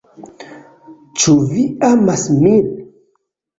"Ĉu vi amas min?"